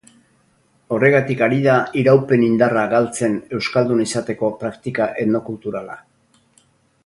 Horregatik ari da iraupen-indarra galtzen euskaldun izateko praktika etnokulturala.